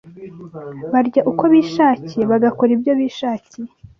Barya uko bishakiye, bagakora ibyo bishakiye. …